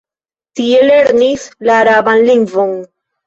Tie lernis la araban lingvon.